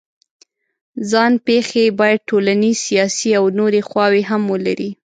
ځان پېښې باید ټولنیز، سیاسي او نورې خواوې هم ولري.